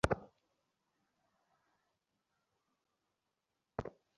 তিনি বসরার চেয়ে কুফার ধারার পক্ষপাতী ছিলেন।